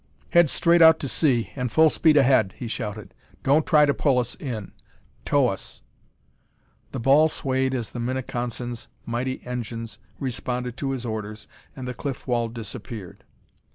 "Head straight out to sea and full speed ahead!" he shouted. "Don't try to pull us in; tow us!" The ball swayed as the Minneconsin's mighty engines responded to his orders and the cliff wall disappeared.